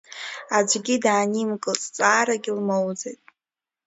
Аӡәгьы даанимкылт, зҵаарагьы лмоуӡеит.